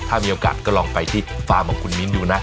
ถ้ามีโอกาสก็ลองไปที่ฟาร์มของคุณมิ้นดูนะ